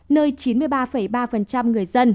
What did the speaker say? nơi chín mươi ba ba người dân